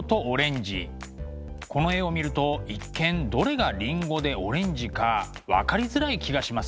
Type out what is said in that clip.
この絵を見ると一見どれがりんごでオレンジか分かりづらい気がします。